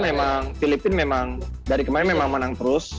memang filipina memang dari kemarin memang menang terus